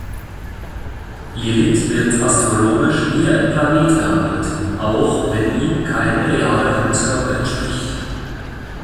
Lilith wird astrologisch wie ein Planet behandelt, auch wenn ihm kein realer Himmelskörper entspricht.